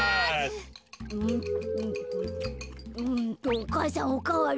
お母さんおかわり。